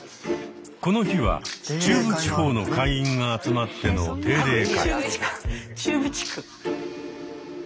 この日は中部地方の会員が集まっての「定例会」。